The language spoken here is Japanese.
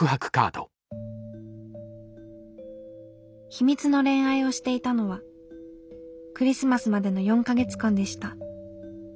「秘密の恋愛をしていたのはクリスマスまでの４か月間でした。